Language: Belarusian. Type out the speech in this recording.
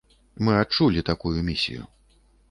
Мы адчулі такую місію.